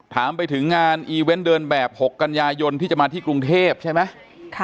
ถามไปถึงงานอีเวนต์เดินแบบ๖กันยายนที่จะมาที่กรุงเทพใช่ไหม